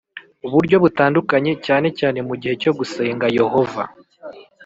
Buryo butandukanye cyane cyane mugihe cyo gusenga yohova.